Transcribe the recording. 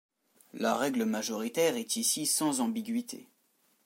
La règle majoritaire est ici sans ambiguïté.